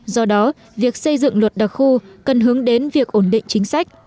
do đó việc xây dựng luật đặc khu cần hướng đến việc ổn định chính sách